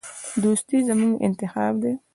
دوستي زموږ انتخاب دی.